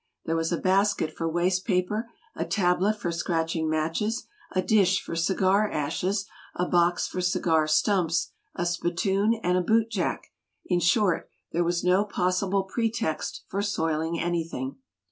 There was a basket for waste paper, a tablet for scratching matches, a dish for cigar ashes, a box for cigar stumps, a spittoon, and a boot jack; in short, there was no possible pretext for soiling anything.